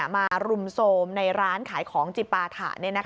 รุมโทรมในร้านขายของจิปาถะ